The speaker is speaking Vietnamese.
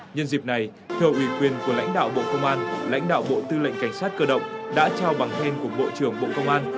nhân dịp này thưa ủy quyền của lãnh đạo bộ công an lãnh đạo bộ tư lệnh cảnh sát cơ động đã trao bằng khen của bộ trưởng bộ công an